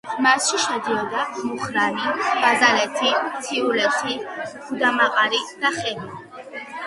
მასში შედიოდა მუხრანი, ბაზალეთი, მთიულეთი, გუდამაყარი და ხევი.